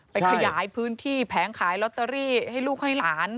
ขยายพื้นที่แผงขายลอตเตอรี่ให้ลูกให้หลาน